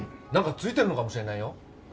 何かついてるのかもしれないよ